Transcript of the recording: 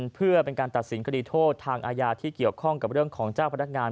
เพื่อเป็นการตัดสินคดีโทษทางอาญาที่เกี่ยวข้องกับเรื่องของเจ้าพนักงาน